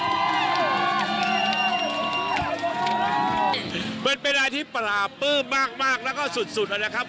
มันเป็นอะไรที่ปลาปื้มมากและก็สุดแล้วนะครับ